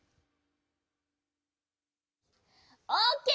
オッケー！